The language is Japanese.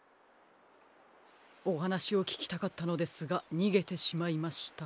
おはなしをききたかったのですがにげてしまいました。